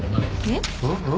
えっ？